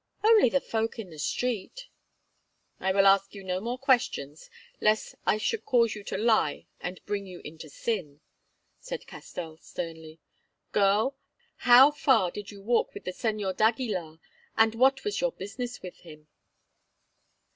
"Only the folk in the street." "I will ask you no more questions, lest I should cause you to lie and bring you into sin," said Castell sternly. "Girl, how far did you walk with the Señor d'Aguilar, and what was your business with him?"